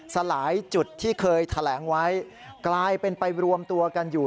สลายจุดที่เคยแถลงไว้กลายเป็นไปรวมตัวกันอยู่